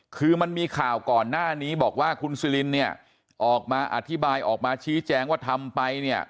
คือมันมีข่าวก่อนหน้านี้บอกว่าคุณซิลินเนี่ยออกมาอธิบายออกมาชี้แจงว่าทำไปเนี่ย